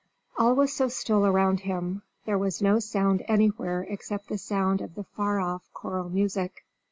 All was so still around him; there was no sound anywhere except the sound of the far off choral music.